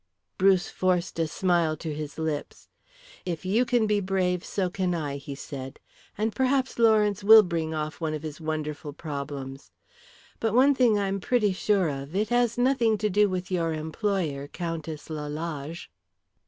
Bruce forced a smile to his lips. "If you can be brave so can I," he said. "And perhaps Lawrence will bring off one of his wonderful problems. But one thing I am pretty sure of it has nothing to do with your employer, Countess Lalage."